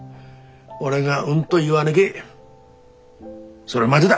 俺がうんと言わねげそれまでだ。